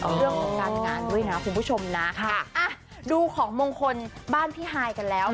เรื่องของการงานด้วยนะคุณผู้ชมนะค่ะอ่ะดูของมงคลบ้านพี่ฮายกันแล้ว